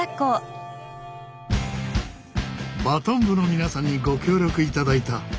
バトン部の皆さんにご協力いただいた。